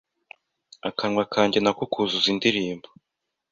akanwa kanjya nako ukuzuza indirimbo